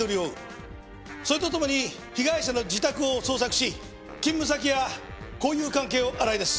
それとともに被害者の自宅を捜索し勤務先や交友関係を洗い出す。